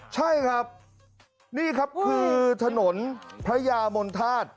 ใช่ครับนี่ครับคือถนนพระยามนธาตุ